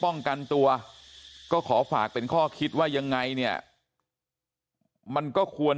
ป้องกันตัวก็ขอฝากเป็นข้อคิดว่ายังไงเนี่ยมันก็ควร